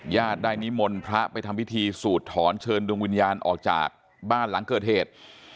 ญาติได้นิมนต์พระไปทำพิธีสูดถอนเชิญดวงวิญญาณออกจากบ้านหลังเกิดเหตุ